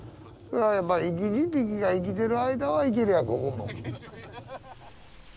やっぱ生き字引が生きてる間はいけるやここも。